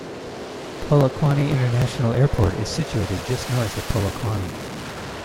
Polokwane International Airport is situated just north of Polokwane.